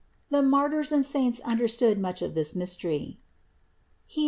The martyrs and saints understood much of this mystery (Heb.